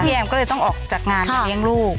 แอมก็เลยต้องออกจากงานมาเลี้ยงลูก